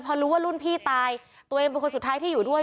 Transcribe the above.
พอรู้ว่ารุ่นพี่ตายตัวเองเป็นคนสุดท้ายที่อยู่ด้วย